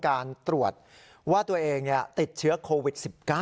การตรวจว่าตัวเองติดเชื้อโควิด๑๙